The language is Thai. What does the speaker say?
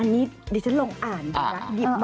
อ่านดีนะหยิบมาเป็นตัวอย่างนะ